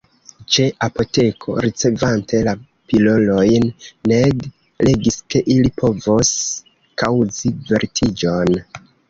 Ĉe apoteko, ricevante la pilolojn, Ned legis ke ili povos kaŭzi vertiĝon.